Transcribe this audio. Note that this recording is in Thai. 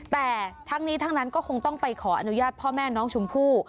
แต่ทั้งนี้ทั้งนั้นก็คงต้องไปขออนุญาตพ่อแม่น้องชมพู่